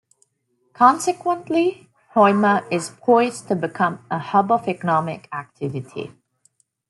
Consequently, Hoima is poised to become a hub of economic activity.